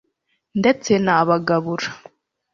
ndetse nabagabura